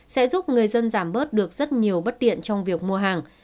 sẽ giúp người dân giảm bớt được rất nhiều bất tiện trong việc mua hàng